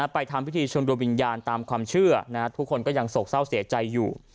ทำพิธีชมโดยวิญญาณตามความเชื่อทุกคนก็ยังโศกเศร้าเสียใจอยู่